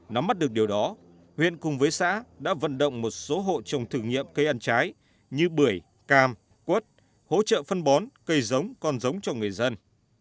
nắm mắt được điều đó huyện cùng với xã đã vận động một số hộ trồng thử nghiệm cây ăn trái như bưởi cam quất hỗ trợ phân bón cây giống con giống cho người dân